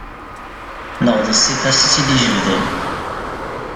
Neɣ d ssifa-s i tt-id-ijebden.